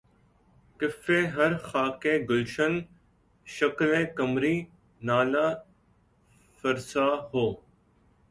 کفِ ہر خاکِ گلشن‘ شکلِ قمری‘ نالہ فرسا ہو